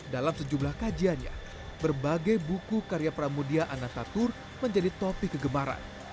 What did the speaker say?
dalam sejumlah kajiannya berbagai buku karya pramudia anantatur menjadi topik kegemaran